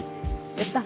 やった！